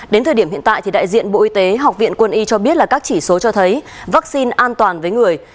đến thời điểm hiện tại thì đại diện bộ y tế học viện quân y cho biết là các chỉ số cho thấy vaccine an toàn với người